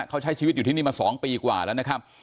เขาใช้ชีวิตอยู่ที่นี่มา๒ปีกว่าแล้วนะครับ